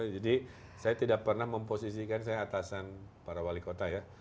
jadi saya tidak pernah memposisikan saya atasan para wali kota ya